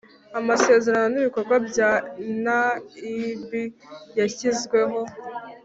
Amasezerano n ibikorwa bya naeb yashyizweho